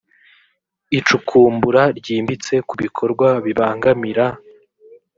icukumbura ryimbitse ku bikorwa bibangamira